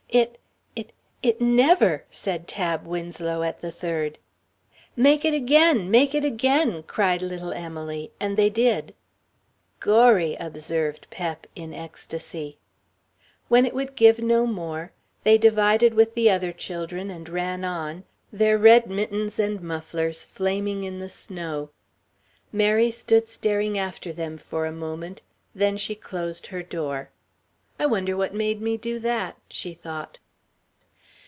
"It it it never!" said Tab Winslow, at the third. "Make it again make it again!" cried little Emily, and they did. "Gorry," observed Pep, in ecstasy. When it would give no more, they divided with the other children and ran on, their red mittens and mufflers flaming in the snow. Mary stood staring after them for a moment, then she closed her door. "I wonder what made me do that," she thought.